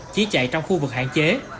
chỉ chạy trong khu vực hạn chế